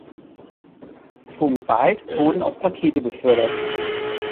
Schon bald wurden auch Pakete befördert.